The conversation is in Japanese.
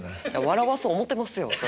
笑わそう思てますよそら。